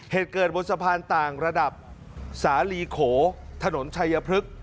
เหตุเกิดบนสะพานต่างระดับสาลีโขถนนชัยพฤกษ์